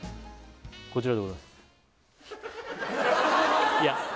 こちらでございます